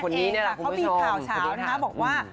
เขาบีข่าวนะครับบอกว่า